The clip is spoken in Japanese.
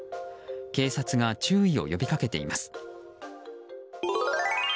警察が注意を呼び掛けています。